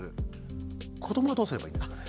子どもはどうすればいいんですかね。